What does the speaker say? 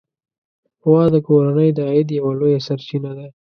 غوا د کورنۍ د عاید یوه لویه سرچینه ده.